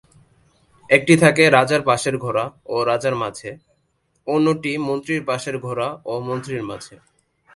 একটি থাকে রাজার পাশের ঘোড়া ও রাজার মাঝে, অন্যটি মন্ত্রীর পাশের ঘোড়া ও মন্ত্রীর মাঝে।